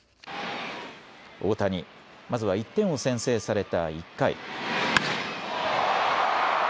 大谷、まずは１点を先制された１回。